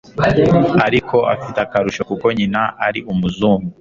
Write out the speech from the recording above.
ariko afite akarusho kuko nyina ari umuzungu